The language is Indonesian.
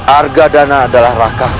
argadana adalah raka buana